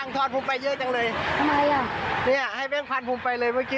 ต้องบอกนะ